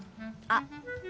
あっ！